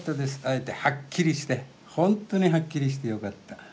会えてはっきりしてほんとにはっきりしてよかった。